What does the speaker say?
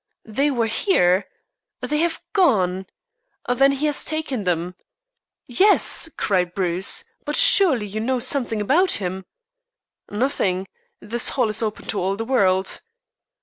"They were here! They have gone! Then he has taken them!" "Yes," cried Bruce; "but surely you know something about him?" "Nothing. This hall is open to all the world."